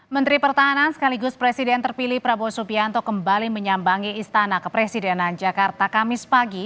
menteri pertahanan sekaligus presiden terpilih prabowo subianto kembali menyambangi istana kepresidenan jakarta kamis pagi